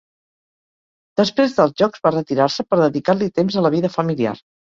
Després dels Jocs va retirar-se per dedicar-li temps a la vida familiar.